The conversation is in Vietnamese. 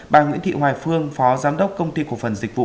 bà nguyễn thị hoài phương phó giám đốc công ty cổ phần dịch vụ